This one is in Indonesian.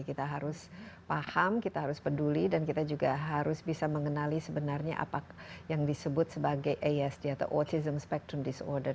kita harus paham kita harus peduli dan kita juga harus bisa mengenali sebenarnya apa yang disebut sebagai asg atau autism spectrum disorder